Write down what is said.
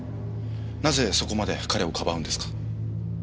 なぜそこまで彼をかばうんですか？